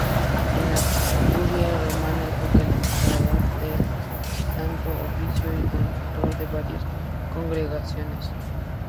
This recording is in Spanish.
En la Curia romana, fue calificador del Santo Oficio y consultor de varias Congregaciones.